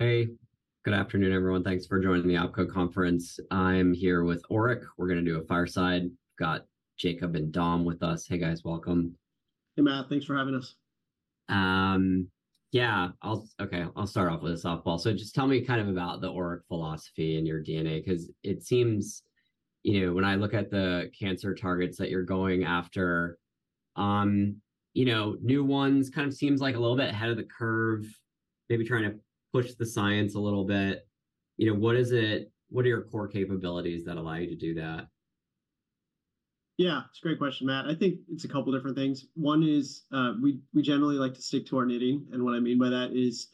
Hey, good afternoon, everyone. Thanks for joining the OpCo Conference. I'm here with ORIC. We're going to do a fireside. Got Jacob and Dom with us. Hey, guys, welcome. Hey, Matt. Thanks for having us. I'll okay, I'll start off with a softball. So just tell me kind of about the ORIC philosophy and your DNA, because it seems, you know, when I look at the cancer targets that you're going after, you know, new ones kind of seems like a little bit ahead of the curve, maybe trying to push the science a little bit. You know, what is it, what are your core capabilities that allow you to do that? Yeah, it's a great question, Matt. I think it's a couple different things. One is, we—we generally like to stick to our knitting. And what I mean by that is,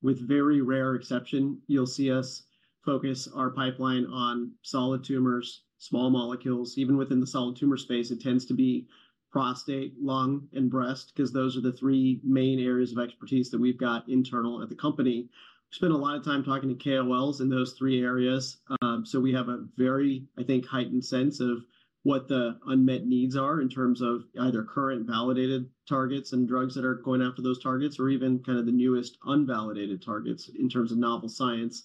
with very rare exception, you'll see us focus our pipeline on solid tumors, small molecules. Even within the solid tumor space, it tends to be prostate, lung, and breast, because those are the three main areas of expertise that we've got internal at the company. We spend a lot of time talking to KOLs in those three areas. So we have a very, I think, heightened sense of what the unmet needs are in terms of either current validated targets and drugs that are going after those targets, or even kind of the newest unvalidated targets in terms of novel science.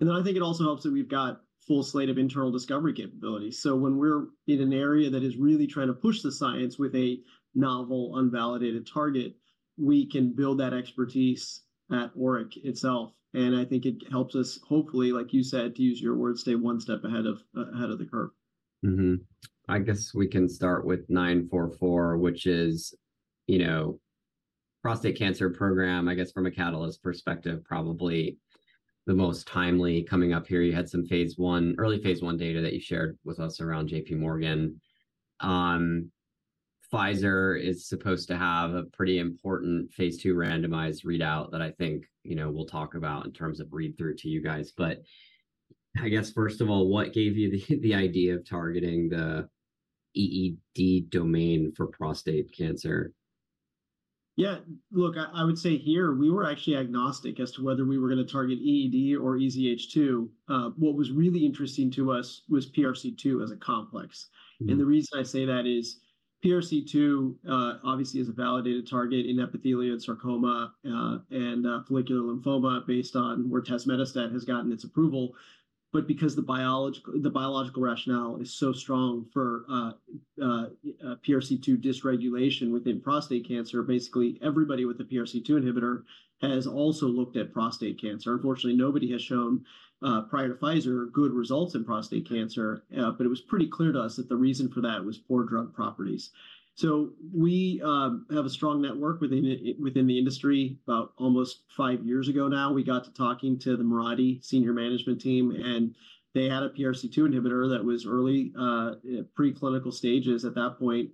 And then I think it also helps that we've got a full slate of internal discovery capabilities. When we're in an area that is really trying to push the science with a novel, unvalidated target, we can build that expertise at ORIC itself. I think it helps us, hopefully, like you said, to use your words, stay one step ahead of the curve. Mm-hmm. I guess we can start with 944, which is, you know, prostate cancer program, I guess, from a catalyst perspective, probably the most timely coming up here. You had phase I, early phase I data that you shared with us around JPMorgan. Pfizer is supposed to have a pretty important phase II randomized readout that I think, you know, we'll talk about in terms of read-through to you guys. But I guess, first of all, what gave you the idea of targeting the EED domain for prostate cancer? Yeah, look, I would say here we were actually agnostic as to whether we were going to target EED or EZH2. What was really interesting to us was PRC2 as a complex. And the reason I say that is PRC2, obviously is a validated target in epithelioid sarcoma, and follicular lymphoma based on where tazemetostat has gotten its approval. But because the biological rationale is so strong for PRC2 dysregulation within prostate cancer, basically everybody with a PRC2 inhibitor has also looked at prostate cancer. Unfortunately, nobody has shown, prior to Pfizer good results in prostate cancer, but it was pretty clear to us that the reason for that was poor drug properties. So we have a strong network within the industry. About almost five years ago now, we got to talking to the Mirati senior management team, and they had a PRC2 inhibitor that was early, preclinical stages at that point.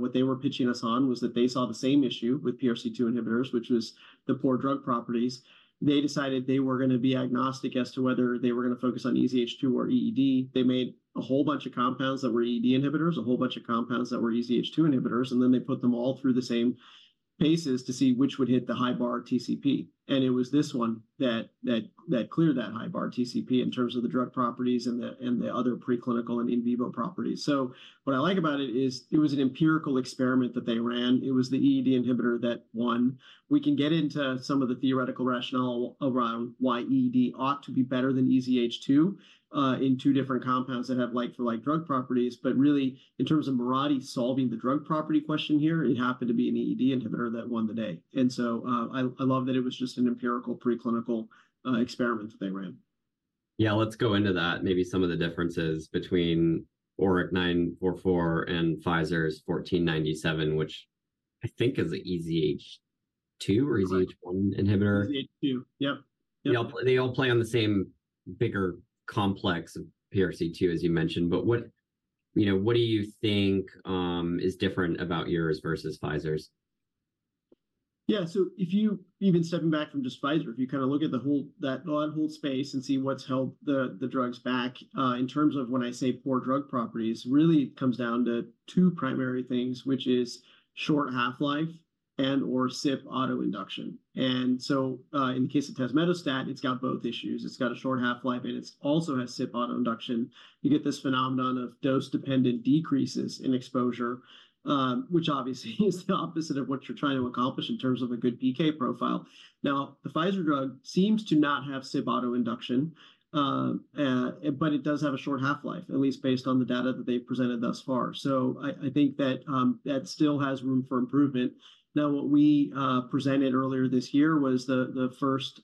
What they were pitching us on was that they saw the same issue with PRC2 inhibitors, which was the poor drug properties. They decided they were going to be agnostic as to whether they were going to focus on EZH2 or EED. They made a whole bunch of compounds that were EED inhibitors, a whole bunch of compounds that were EZH2 inhibitors, and then they put them all through the same paces to see which would hit the high bar TCP. It was this one that cleared that high bar TCP in terms of the drug properties and the other preclinical and in vivo properties. So what I like about it is it was an empirical experiment that they ran. It was the EED inhibitor that won. We can get into some of the theoretical rationale around why EED ought to be better than EZH2, in two different compounds that have like-for-like drug properties. But really, in terms of Mirati solving the drug property question here, it happened to be an EED inhibitor that won the day. And so, I love that it was just an empirical preclinical experiment that they ran. Yeah, let's go into that. Maybe some of the differences between ORIC-944 and Pfizer's PF-06821497, which I think is an EZH2 or EZH1 inhibitor. EZH2. Yep. Yep. They all play, they all play on the same bigger complex of PRC2, as you mentioned. But what, you know, what do you think, is different about yours versus Pfizer's? Yeah, so if you even stepping back from just Pfizer, if you kind of look at the whole—that whole space and see what's held the drugs back, in terms of when I say poor drug properties, really it comes down to two primary things, which is short half-life and/or CYP autoinduction. And so, in the case of tazemetostat, it's got both issues. It's got a short half-life, and it also has CYP autoinduction. You get this phenomenon of dose-dependent decreases in exposure, which obviously is the opposite of what you're trying to accomplish in terms of a good PK profile. Now, the Pfizer drug seems to not have CYP autoinduction, but it does have a short half-life, at least based on the data that they've presented thus far. So I think that still has room for improvement. Now, what we presented earlier this year was the first,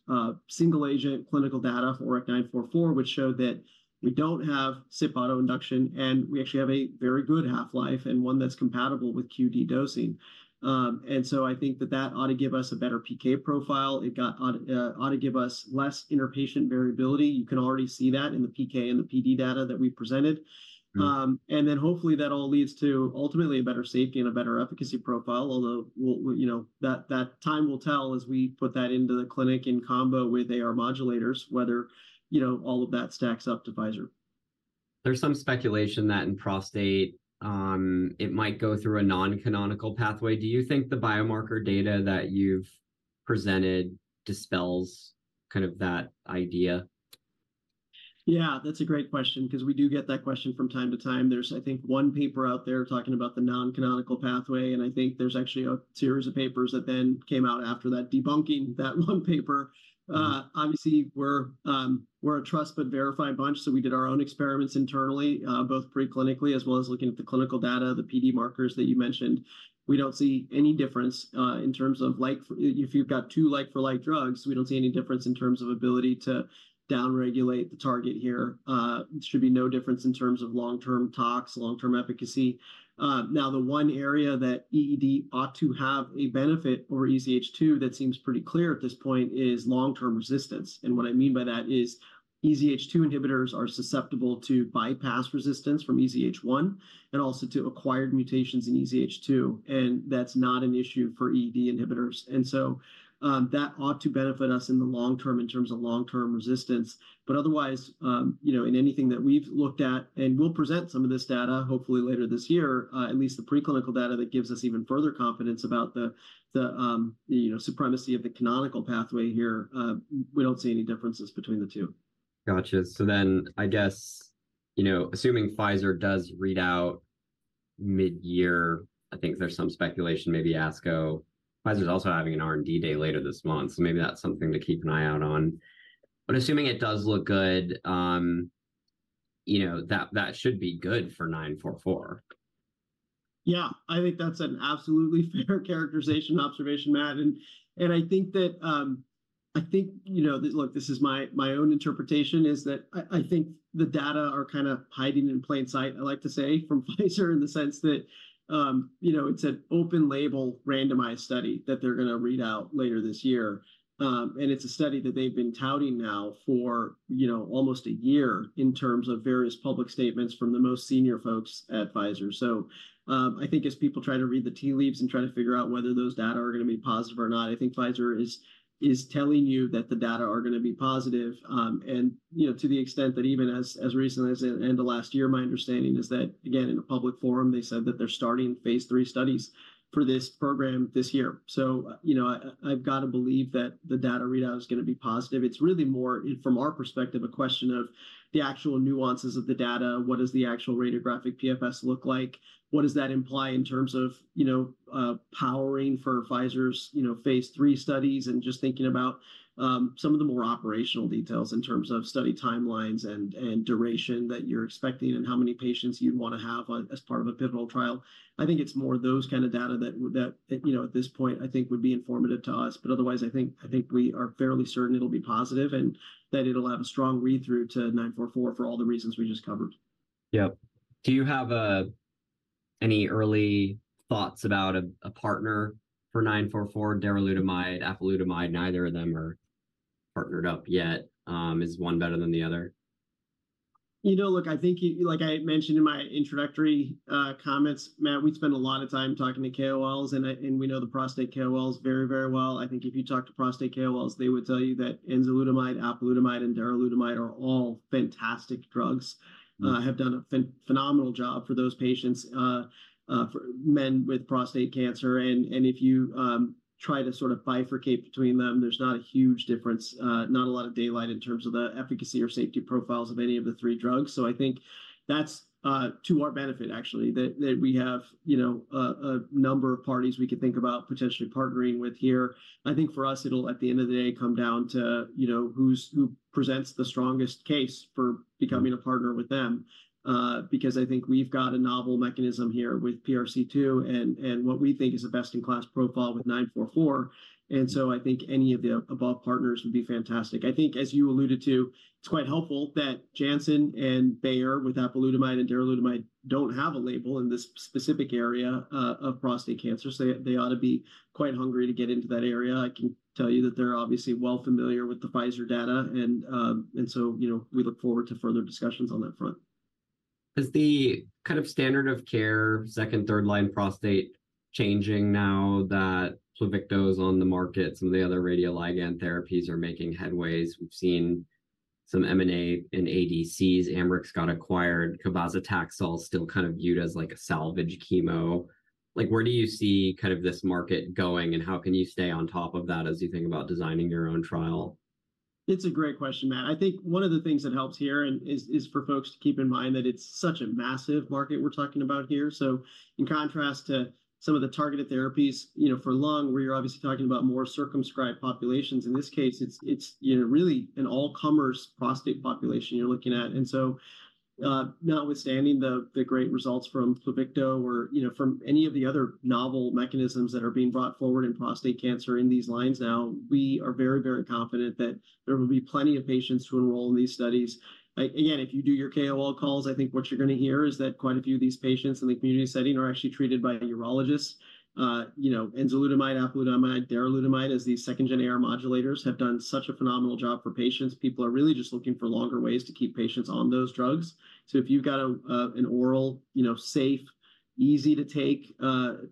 single-agent clinical data for ORIC-944, which showed that we don't have CYP autoinduction, and we actually have a very good half-life and one that's compatible with QD dosing. And so I think that that ought to give us a better PK profile. It got ought to give us less interpatient variability. You can already see that in the PK and the PD data that we presented. And then hopefully that all leads to ultimately a better safety and a better efficacy profile, although we'll we'll, you know, that time will tell as we put that into the clinic in combo with AR modulators, whether, you know, all of that stacks up to Pfizer. There's some speculation that in prostate, it might go through a non-canonical pathway. Do you think the biomarker data that you've presented dispels kind of that idea? Yeah, that's a great question because we do get that question from time to time. There's, I think, one paper out there talking about the non-canonical pathway, and I think there's actually a series of papers that then came out after that debunking that one paper. Obviously we're a trust but verify bunch, so we did our own experiments internally, both preclinically as well as looking at the clinical data, the PD markers that you mentioned. We don't see any difference, in terms of like—if you've got two like-for-like drugs, we don't see any difference in terms of ability to downregulate the target here. There should be no difference in terms of long-term tox, long-term efficacy. Now the one area that EED ought to have a benefit over EZH2 that seems pretty clear at this point is long-term resistance. What I mean by that is EZH2 inhibitors are susceptible to bypass resistance from EZH1 and also to acquired mutations in EZH2, and that's not an issue for EED inhibitors. And so, that ought to benefit us in the long term in terms of long-term resistance. But otherwise, you know, in anything that we've looked at, and we'll present some of this data hopefully later this year, at least the preclinical data that gives us even further confidence about the, you know, supremacy of the canonical pathway here, we don't see any differences between the two. Gotcha. So then I guess, you know, assuming Pfizer does read out mid-year, I think there's some speculation, maybe ASCO. Pfizer's also having an R&D day later this month, so maybe that's something to keep an eye out on. But assuming it does look good, you know, that—that should be good for 944. Yeah, I think that's an absolutely fair characterization observation, Matt. And I think that, I think, you know, that look, this is my own interpretation is that I think the data are kind of hiding in plain sight, I like to say, from Pfizer in the sense that, you know, it's an open-label randomized study that they're going to read out later this year. And it's a study that they've been touting now for, you know, almost a year in terms of various public statements from the most senior folks at Pfizer. So, I think as people try to read the tea leaves and try to figure out whether those data are going to be positive or not, I think Pfizer is telling you that the data are going to be positive. You know, to the extent that even as recently as the end of last year, my understanding is that, again, in a public forum, they said that they're starting phase III studies for this program this year. So, you know, I've got to believe that the data readout is going to be positive. It's really more, from our perspective, a question of the actual nuances of the data. What does the actual radiographic PFS look like? What does that imply in terms of, you know, powering for Pfizer's, you know, phase III studies and just thinking about some of the more operational details in terms of study timelines and duration that you're expecting and how many patients you'd want to have as part of a pivotal trial? I think it's more those kind of data that, you know, at this point, I think would be informative to us. But otherwise, I think we are fairly certain it'll be positive and that it'll have a strong read-through to 944 for all the reasons we just covered. Yep. Do you have any early thoughts about a partner for 944? Darolutamide, apalutamide, neither of them are partnered up yet. Is one better than the other? You know, look, I think you—like I mentioned in my introductory comments, Matt, we spend a lot of time talking to KOLs, and I—and we know the prostate KOLs very, very well. I think if you talk to prostate KOLs, they would tell you that enzalutamide, apalutamide, and darolutamide are all fantastic drugs have done a phenomenal job for those patients, for men with prostate cancer. And—and if you try to sort of bifurcate between them, there's not a huge difference, not a lot of daylight in terms of the efficacy or safety profiles of any of the three drugs. So I think that's to our benefit, actually, that—that we have, you know, a—a number of parties we could think about potentially partnering with here. I think for us, it'll, at the end of the day, come down to, you know, who's—who presents the strongest case for becoming a partner with them. Because I think we've got a novel mechanism here with PRC2 and—and what we think is a best-in-class profile with 944. And so I think any of the above partners would be fantastic. I think, as you alluded to, it's quite helpful that Janssen and Bayer with apalutamide and darolutamide don't have a label in this specific area, of prostate cancer. So they—they ought to be quite hungry to get into that area. I can tell you that they're obviously well familiar with the Pfizer data. And, and so, you know, we look forward to further discussions on that front. Is the kind of standard of care second- and third-line prostate changing now that Pluvicto's on the market? Some of the other radioligand therapies are making headway. We've seen some M&A and ADCs. Ambrx got acquired. Cabazitaxel still kind of viewed as like a salvage chemo. Like, where do you see kind of this market going, and how can you stay on top of that as you think about designing your own trial? It's a great question, Matt. I think one of the things that helps here is for folks to keep in mind that it's such a massive market we're talking about here. So in contrast to some of the targeted therapies, you know, for lung, where you're obviously talking about more circumscribed populations, in this case, it's, you know, really an all-comers prostate population you're looking at. And so, notwithstanding the great results from Pluvicto or, you know, from any of the other novel mechanisms that are being brought forward in prostate cancer in these lines now, we are very, very confident that there will be plenty of patients to enroll in these studies. I again, if you do your KOL calls, I think what you're going to hear is that quite a few of these patients in the community setting are actually treated by a urologist. You know, enzalutamide, apalutamide, darolutamide as these second-gen AR modulators have done such a phenomenal job for patients. People are really just looking for longer ways to keep patients on those drugs. So if you've got an oral, you know, safe, easy-to-take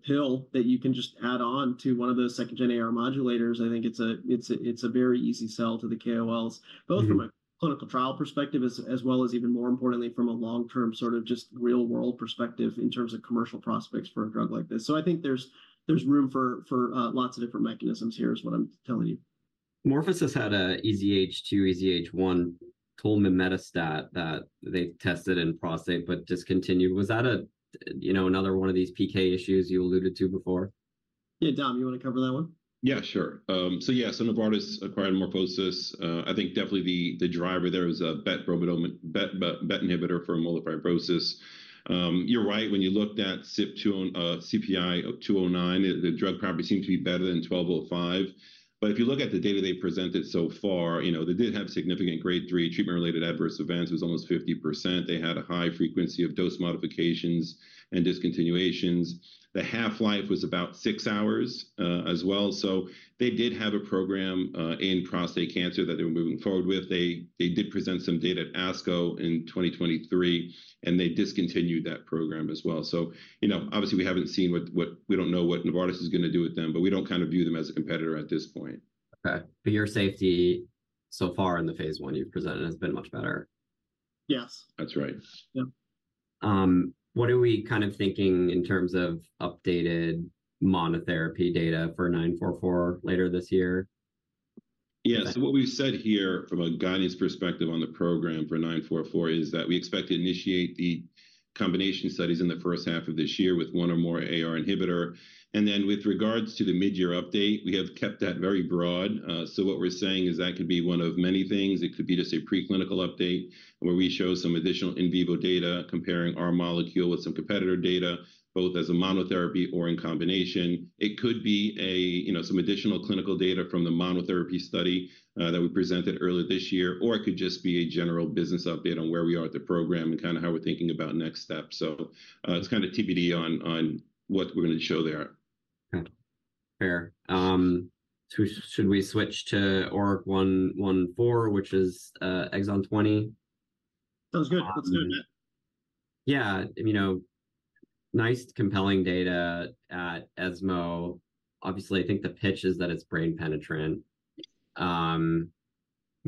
pill that you can just add on to one of those second-gen AR modulators, I think it's a very easy sell to the KOLs, both from a clinical trial perspective as well as even more importantly from a long-term sort of just real-world perspective in terms of commercial prospects for a drug like this. So I think there's room for lots of different mechanisms here is what I'm telling you. MorphoSys has had an EZH2, EZH1 tulmimetostat that they've tested in prostate but discontinued. Was that a, you know, another one of these PK issues you alluded to before? Hey, Dom, you want to cover that one? Yeah, sure. So yeah, so Novartis acquired MorphoSys. I think definitely the driver there was a BET inhibitor for myelofibrosis. You're right, when you looked at CPI-0209, the drug probably seemed to be better than CPI-1205. But if you look at the data they presented so far, you know, they did have significant grade three treatment-related adverse events. It was almost 50%. They had a high frequency of dose modifications and discontinuations. The half-life was about six hours, as well. So they did have a program in prostate cancer that they were moving forward with. They did present some data at ASCO in 2023, and they discontinued that program as well. So, you know, obviously we haven't seen what we don't know what Novartis is going to do with them, but we don't kind of view them as a competitor at this point. Okay. But your safety so far in the phase I you've presented has been much better. Yes. That's right. Yeah. What are we kind of thinking in terms of updated monotherapy data for 944 later this year? Yeah. So what we've said here from a guidance perspective on the program for 944 is that we expect to initiate the combination studies in the first half of this year with one or more AR inhibitor. And then with regards to the mid-year update, we have kept that very broad. So what we're saying is that could be one of many things. It could be just a preclinical update where we show some additional in vivo data comparing our molecule with some competitor data, both as a monotherapy or in combination. It could be a, you know, some additional clinical data from the monotherapy study that we presented earlier this year, or it could just be a general business update on where we are at the program and kind of how we're thinking about next steps. So, it's kind of TBD on what we're going to show there. Okay. Fair. Should we switch to ORIC-114, which is, Exon 20? Sounds good. That's good, Matt. Yeah. You know, nice, compelling data at ESMO. Obviously, I think the pitch is that it's brain penetrant. I'm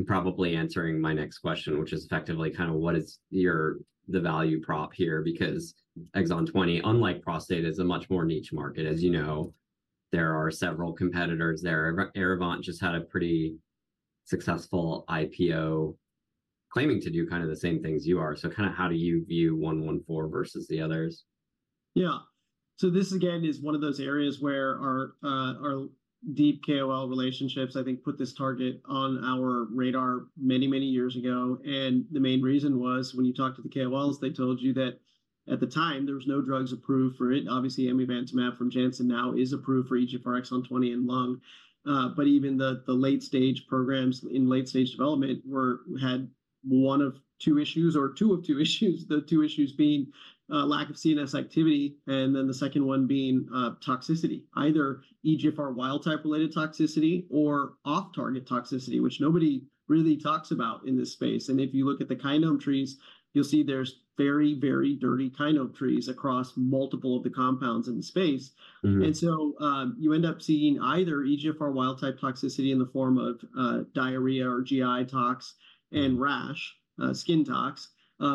probably answering my next question, which is effectively kind of what is your value prop here? Because Exon 20, unlike prostate, is a much more niche market. As you know, there are several competitors there. ArriVent just had a pretty successful IPO claiming to do kind of the same things you are. So kind of how do you view 114 versus the others? Yeah. So this again is one of those areas where our deep KOL relationships, I think, put this target on our radar many, many years ago. And the main reason was when you talked to the KOLs, they told you that at the time, there were no drugs approved for it. Obviously, amivantamab from Janssen now is approved for EGFR Exon 20 and lung. But even the late-stage programs in late-stage development had one of two issues or two of two issues, the two issues being lack of CNS activity and then the second one being toxicity, either EGFR wild-type related toxicity or off-target toxicity, which nobody really talks about in this space. And if you look at the kinome trees, you'll see there's very, very dirty kinome trees across multiple of the compounds in the space. And so you end up seeing either EGFR wild-type toxicity in the form of diarrhea or GI tox and rash, skin tox,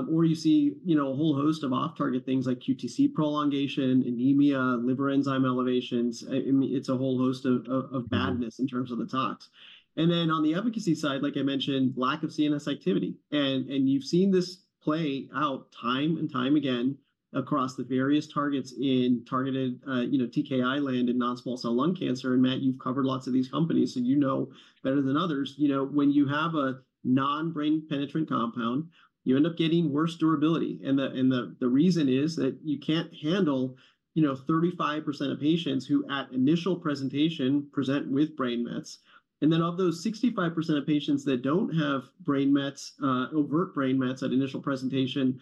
or you see, you know, a whole host of off-target things like QTc prolongation, anemia, liver enzyme elevations. I mean, it's a whole host of badness in terms of the tox. And then on the efficacy side, like I mentioned, lack of CNS activity. And you've seen this play out time and time again across the various targets in targeted, you know, TKI land and non-small cell lung cancer. And Matt, you've covered lots of these companies, so you know better than others. You know, when you have a non-brain penetrant compound, you end up getting worse durability. And the reason is that you can't handle, you know, 35% of patients who at initial presentation present with brain mets. And then of those 65% of patients that don't have brain mets, overt brain mets at initial presentation,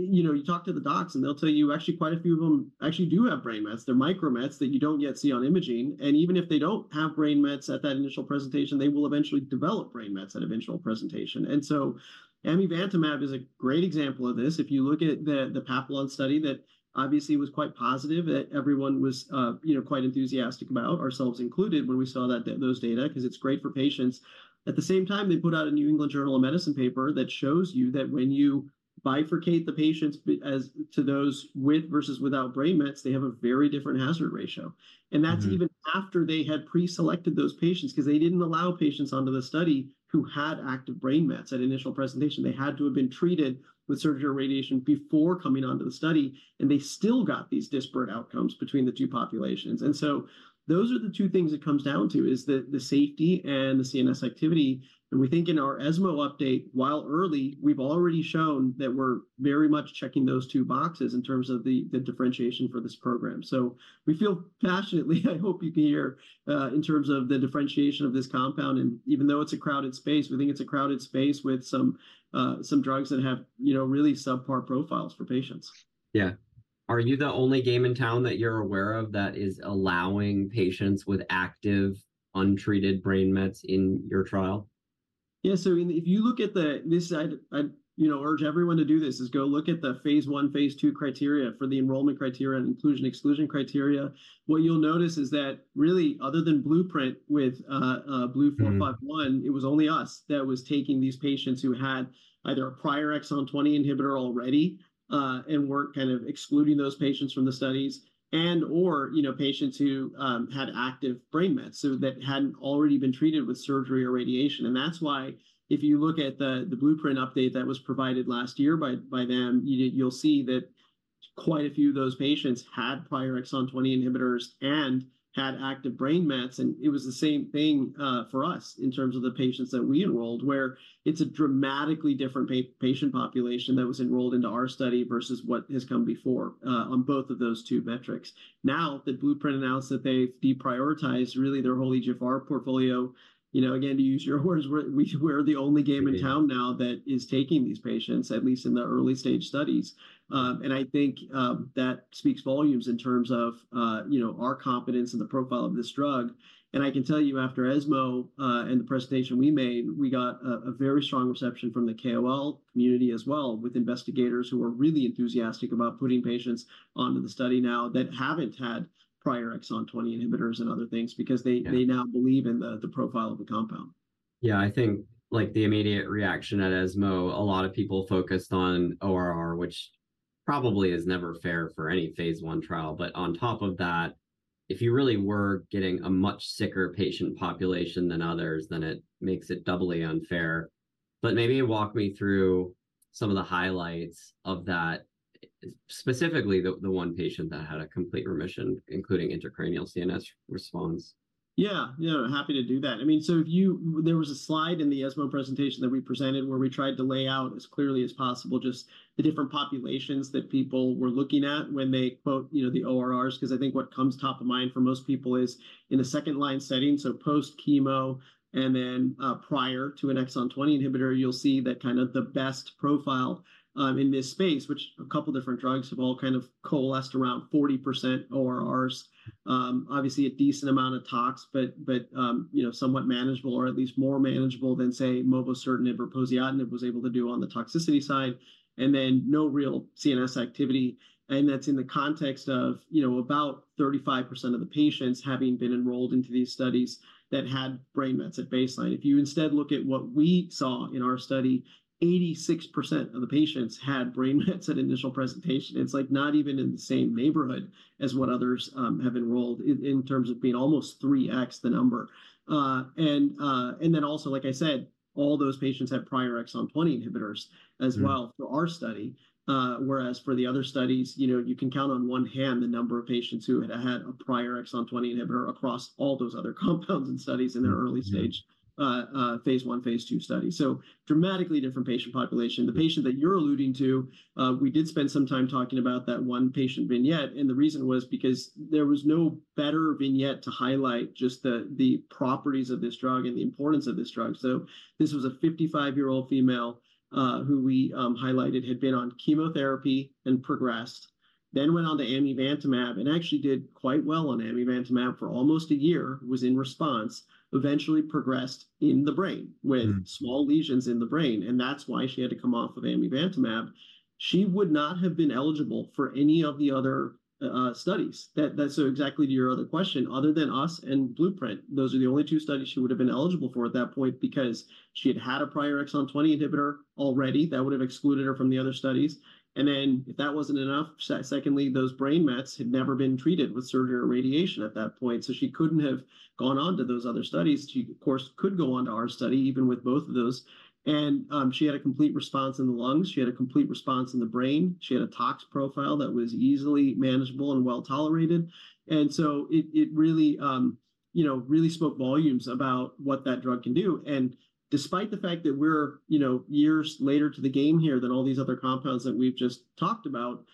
you know, you talk to the docs and they'll tell you actually quite a few of them actually do have brain mets. They're micro mets that you don't yet see on imaging. And even if they don't have brain mets at that initial presentation, they will eventually develop brain mets at eventual presentation. And so amivantamab is a great example of this. If you look at the PAPILLON study that obviously was quite positive that everyone was, you know, quite enthusiastic about, ourselves included, when we saw those data because it's great for patients. At the same time, they put out a New England Journal of Medicine paper that shows you that when you bifurcate the patients as to those with versus without brain mets, they have a very different hazard ratio. That's even after they had preselected those patients because they didn't allow patients onto the study who had active brain mets at initial presentation. They had to have been treated with surgery or radiation before coming onto the study, and they still got these disparate outcomes between the two populations. So those are the two things it comes down to: the safety and the CNS activity. We think in our ESMO update, while early, we've already shown that we're very much checking those two boxes in terms of the differentiation for this program. We feel passionately, I hope you can hear, in terms of the differentiation of this compound. Even though it's a crowded space, we think it's a crowded space with some drugs that have, you know, really subpar profiles for patients. Yeah. Are you the only game in town that you're aware of that is allowing patients with active untreated brain mets in your trial? Yeah. So I mean, if you look at this—I'd, you know, urge everyone to do this—is go look at the phase I, phase II criteria for the enrollment criteria and inclusion/exclusion criteria. What you'll notice is that really, other than Blueprint with BLU-451, it was only us that was taking these patients who had either a prior Exon 20 inhibitor already and weren't kind of excluding those patients from the studies and/or, you know, patients who had active brain mets so that hadn't already been treated with surgery or radiation. And that's why if you look at the Blueprint update that was provided last year by them, you'll see that quite a few of those patients had prior Exon 20 inhibitors and had active brain mets. It was the same thing for us in terms of the patients that we enrolled, where it's a dramatically different patient population that was enrolled into our study versus what has come before on both of those two metrics. Now, the Blueprint announced that they've deprioritized really their whole EGFR portfolio. You know, again, to use your words, we're the only game in town now that is taking these patients, at least in the early-stage studies. I think that speaks volumes in terms of, you know, our confidence in the profile of this drug. I can tell you, after ESMO and the presentation we made, we got a very strong reception from the KOL community as well with investigators who are really enthusiastic about putting patients onto the study now that haven't had prior Exon 20 inhibitors and other things because they now believe in the profile of the compound. Yeah, I think like the immediate reaction at ESMO, a lot of people focused on ORR, which probably is never fair for any phase I trial. But on top of that, if you really were getting a much sicker patient population than others, then it makes it doubly unfair. Maybe walk me through some of the highlights of that, specifically the one patient that had a complete remission, including intracranial CNS response. Yeah, yeah, happy to do that. I mean, so if you, there was a slide in the ESMO presentation that we presented where we tried to lay out as clearly as possible just the different populations that people were looking at when they quote, you know, the ORRs. Because I think what comes top of mind for most people is in the second-line setting, so post-chemo and then prior to an Exon 20 inhibitor, you'll see that kind of the best profile in this space, which a couple of different drugs have all kind of coalesced around 40% ORRs. Obviously, a decent amount of tox, but, you know, somewhat manageable or at least more manageable than, say, mobocertinib or poziotinib was able to do on the toxicity side. And then no real CNS activity. And that's in the context of, you know, about 35% of the patients having been enrolled into these studies that had brain mets at baseline. If you instead look at what we saw in our study, 86% of the patients had brain mets at initial presentation. It's like not even in the same neighborhood as what others have enrolled in terms of being almost 3x the number. And then also, like I said, all those patients had prior Exon 20 inhibitors as well for our study. Whereas for the other studies, you know, you can count on one hand the number of patients who had had a prior Exon 20 inhibitor across all those other compounds and studies in their early-stage phase I, phase II studies. So dramatically different patient population. The patient that you're alluding to, we did spend some time talking about that one patient vignette. The reason was because there was no better vignette to highlight just the properties of this drug and the importance of this drug. This was a 55-year-old female who we highlighted had been on chemotherapy and progressed. Then went on to amivantamab and actually did quite well on amivantamab for almost a year, was in response, eventually progressed in the brain with small lesions in the brain. And that's why she had to come off of amivantamab. She would not have been eligible for any of the other studies. So exactly to your other question, other than us and Blueprint, those are the only two studies she would have been eligible for at that point because she had had a prior Exon 20 inhibitor already that would have excluded her from the other studies. And then if that wasn't enough, secondly, those brain mets had never been treated with surgery or radiation at that point. So she couldn't have gone on to those other studies. She, of course, could go on to our study even with both of those. And she had a complete response in the lungs. She had a complete response in the brain. She had a tox profile that was easily manageable and well tolerated. And so it really, you know, really spoke volumes about what that drug can do. And despite the fact that we're, you know, years later to the game here than all these other compounds that we've just talked about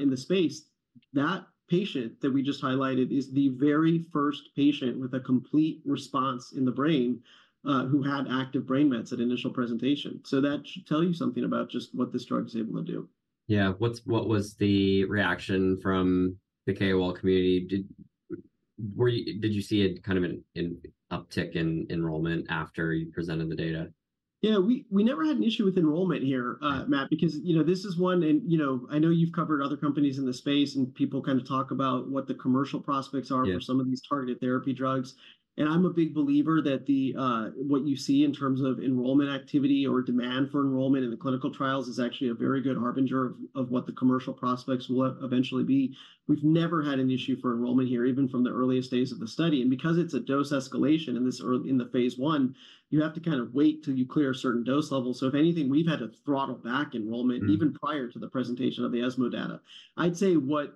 in the space, that patient that we just highlighted is the very first patient with a complete response in the brain who had active brain mets at initial presentation. That should tell you something about just what this drug is able to do. Yeah. What was the reaction from the KOL community? Did you see it kind of an uptick in enrollment after you presented the data? Yeah, we never had an issue with enrollment here, Matt, because, you know, this is one and, you know, I know you've covered other companies in the space and people kind of talk about what the commercial prospects are for some of these targeted therapy drugs. And I'm a big believer that what you see in terms of enrollment activity or demand for enrollment in the clinical trials is actually a very good harbinger of what the commercial prospects will eventually be. We've never had an issue for enrollment here, even from the earliest days of the study. And because it's a dose escalation in this early in the phase I, you have to kind of wait till you clear certain dose levels. So if anything, we've had to throttle back enrollment even prior to the presentation of the ESMO data. I'd say what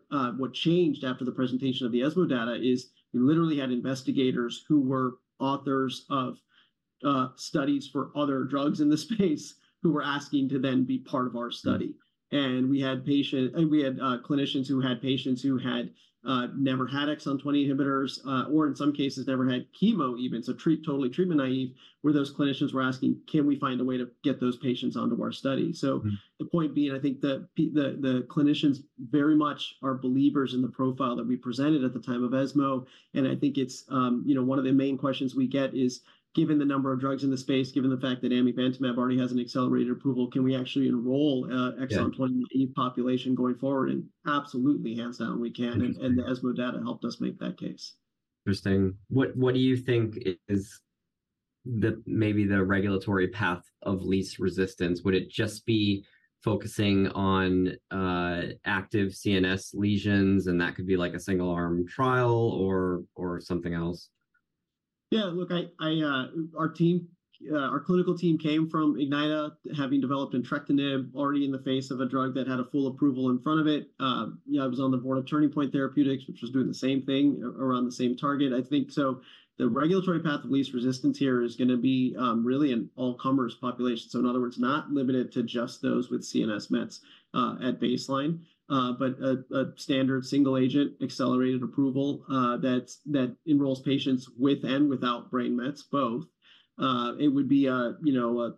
changed after the presentation of the ESMO data is we literally had investigators who were authors of studies for other drugs in the space who were asking to then be part of our study. And we had patients and we had clinicians who had patients who had never had Exon 20 inhibitors or in some cases never had chemo even, so totally treatment naive, where those clinicians were asking, can we find a way to get those patients onto our study? So the point being, I think the clinicians very much are believers in the profile that we presented at the time of ESMO. And I think it's, you know, one of the main questions we get is, given the number of drugs in the space, given the fact that amivantamab already has an accelerated approval, can we actually enroll Exon 20 population going forward? Absolutely, hands down, we can. The ESMO data helped us make that case. Interesting. What do you think is maybe the regulatory path of least resistance? Would it just be focusing on active CNS lesions and that could be like a single-arm trial or something else? Yeah, look, our team, our clinical team came from Ignyta, having developed entrectinib already in the face of a drug that had a full approval in front of it. You know, I was on the board of Turning Point Therapeutics, which was doing the same thing around the same target, I think. So the regulatory path of least resistance here is going to be really an all-comers population. So in other words, not limited to just those with CNS mets at baseline. But a standard single-agent accelerated approval that enrolls patients with and without brain mets, both. It would be a, you know, a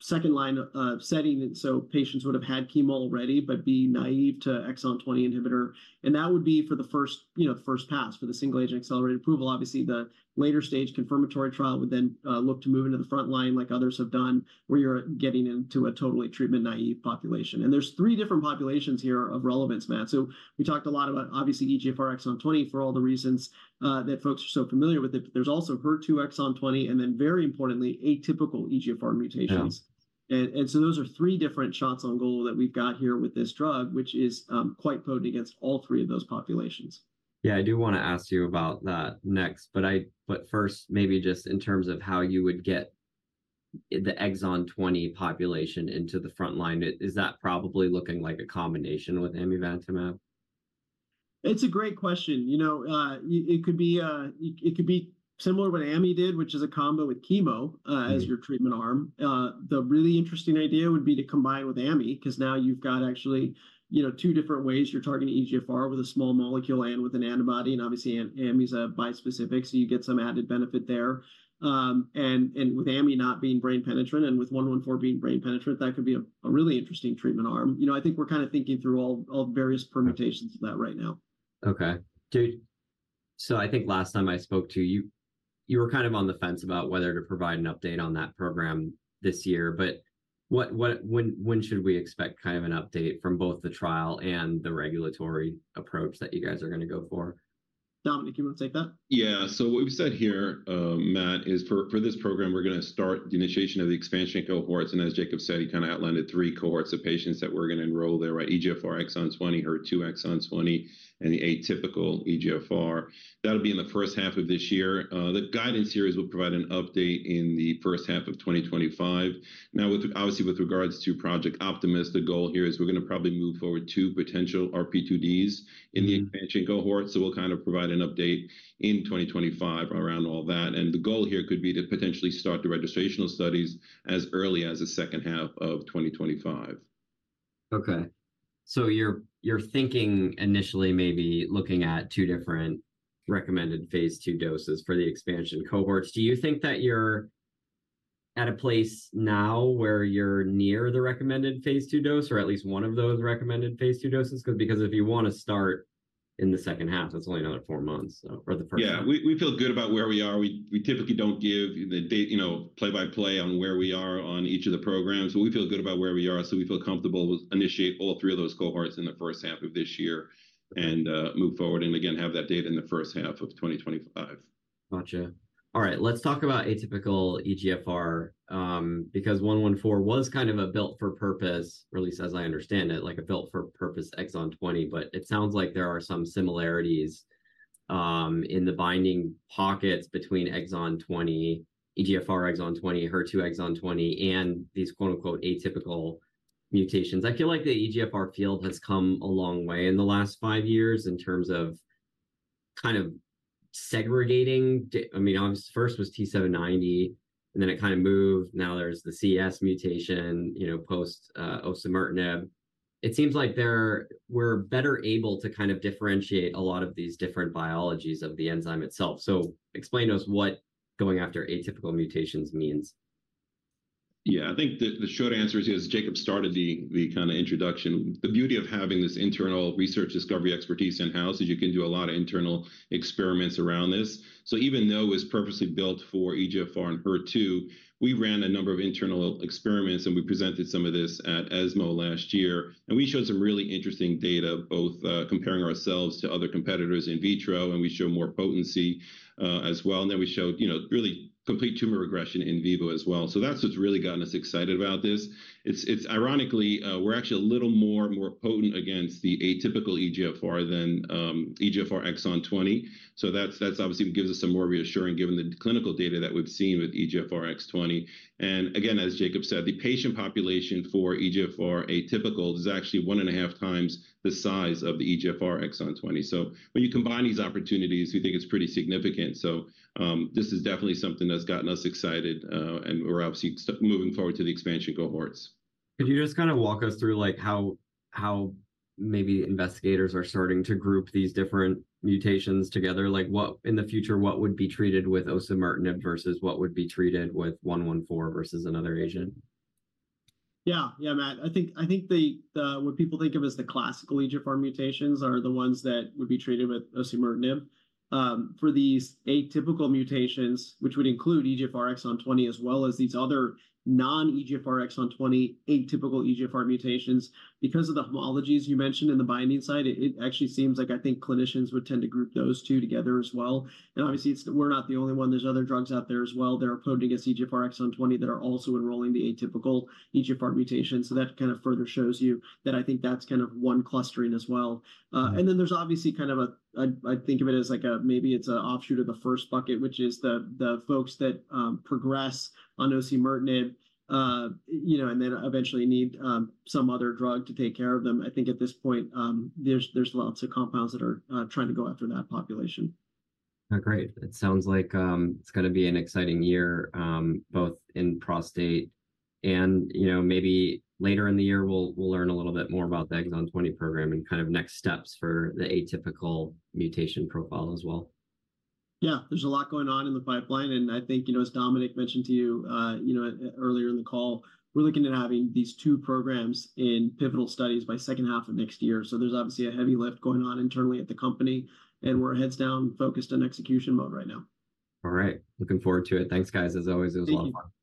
second-line setting. And so patients would have had chemo already, but be naive to Exon 20 inhibitor. And that would be for the first, you know, the first pass for the single-agent accelerated approval. Obviously, the later stage confirmatory trial would then look to move into the front line like others have done where you're getting into a totally treatment naive population. There's three different populations here of relevance, Matt. We talked a lot about obviously EGFR Exon 20 for all the reasons that folks are so familiar with it. There's also HER2 Exon 20 and then very importantly, atypical EGFR mutations. Those are three different shots on goal that we've got here with this drug, which is quite potent against all three of those populations. Yeah, I do want to ask you about that next, but first maybe just in terms of how you would get the Exon 20 population into the front line, is that probably looking like a combination with amivantamab? It's a great question. You know, it could be similar to what Amy did, which is a combo with chemo as your treatment arm. The really interesting idea would be to combine with Amy because now you've got actually, you know, two different ways you're targeting EGFR with a small molecule and with an antibody. And obviously, Amy's bispecific, so you get some added benefit there. And with Amy not being brain penetrant and with 114 being brain penetrant, that could be a really interesting treatment arm. You know, I think we're kind of thinking through all various permutations of that right now. Okay. So I think last time I spoke to you, you were kind of on the fence about whether to provide an update on that program this year. But when should we expect kind of an update from both the trial and the regulatory approach that you guys are going to go for? Dominic, you want to take that? Yeah. So what we've said here, Matt, is for this program, we're going to start the initiation of the expansion cohorts. As Jacob said, he kind of outlined it, three cohorts of patients that we're going to enroll there, right? EGFR Exon 20, HER2 Exon 20, and the atypical EGFR. That'll be in the first half of this year. The guidance series will provide an update in the first half of 2025. Now, obviously, with regards to Project Optimist, the goal here is we're going to probably move forward to potential RP2Ds in the expansion cohort. So we'll kind of provide an update in 2025 around all that. And the goal here could be to potentially start the registrational studies as early as the second half of 2025. Okay. So you're thinking initially maybe looking at two different recommended phase II doses for the expansion cohorts. Do you think that you're at a place now where you're near the recommended phase II dose or at least one of those recommended phase II doses? Because if you want to start in the second half, that's only another four months or the first half. Yeah, we feel good about where we are. We typically don't give the date, you know, play-by-play on where we are on each of the programs. But we feel good about where we are. So we feel comfortable with initiating all three of those cohorts in the first half of this year and move forward and again, have that data in the first half of 2025. Gotcha. All right. Let's talk about atypical EGFR because 114 was kind of a built-for-purpose, at least as I understand it, like a built-for-purpose Exon 20. But it sounds like there are some similarities in the binding pockets between Exon 20, EGFR Exon 20, HER2 Exon 20, and these "atypical" mutations. I feel like the EGFR field has come a long way in the last five years in terms of kind of segregating. I mean, obviously, first was T790, and then it kind of moved. Now there's the CS mutation, you know, post-osimertinib. It seems like we're better able to kind of differentiate a lot of these different biologies of the enzyme itself. So explain to us what going after atypical mutations means. Yeah, I think the short answer is because Jacob started the kind of introduction. The beauty of having this internal research discovery expertise in-house is you can do a lot of internal experiments around this. So even though it was purposely built for EGFR and HER2, we ran a number of internal experiments and we presented some of this at ESMO last year. And we showed some really interesting data, both comparing ourselves to other competitors in vitro, and we showed more potency as well. And then we showed, you know, really complete tumor regression in vivo as well. So that's what's really gotten us excited about this. Ironically, we're actually a little more potent against the atypical EGFR than EGFR Exon 20. So that obviously gives us some more reassuring given the clinical data that we've seen with EGFR X20. Again, as Jacob said, the patient population for EGFR atypical is actually 1.5 times the size of the EGFR Exon 20. When you combine these opportunities, we think it's pretty significant. This is definitely something that's gotten us excited. We're obviously moving forward to the expansion cohorts. Could you just kind of walk us through how maybe investigators are starting to group these different mutations together? Like in the future, what would be treated with osimertinib versus what would be treated with 114 versus another agent? Yeah. Yeah, Matt. I think what people think of as the classical EGFR mutations are the ones that would be treated with osimertinib. For these atypical mutations, which would include EGFR Exon 20 as well as these other non-EGFR Exon 20 atypical EGFR mutations, because of the homologies you mentioned in the binding side, it actually seems like I think clinicians would tend to group those two together as well. And obviously, we're not the only one. There's other drugs out there as well that are potent against EGFR Exon 20 that are also enrolling the atypical EGFR mutation. So that kind of further shows you that I think that's kind of one clustering as well. And then there's obviously kind of a, I think of it as like a, maybe it's an offshoot of the first bucket, which is the folks that progress on osimertinib, you know, and then eventually need some other drug to take care of them. I think at this point, there's lots of compounds that are trying to go after that population. All right. Great. It sounds like it's going to be an exciting year, both in prostate and, you know, maybe later in the year, we'll learn a little bit more about the Exon 20 program and kind of next steps for the atypical mutation profile as well. Yeah, there's a lot going on in the pipeline. I think, you know, as Dominic mentioned to you, you know, earlier in the call, we're looking at having these two programs in pivotal studies by second half of next year. There's obviously a heavy lift going on internally at the company. We're heads down focused on execution mode right now. All right. Looking forward to it. Thanks, guys, as always. It was a lot of fun. Thank you. Thank you.